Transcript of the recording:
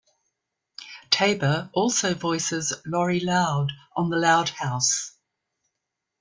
Taber also voices Lori Loud on "The Loud House".